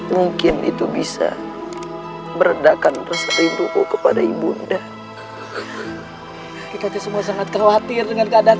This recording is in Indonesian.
mungkin itu bisa meredakan rasa rinduku kepada ibunda kita itu semua sangat khawatir dengan keadaan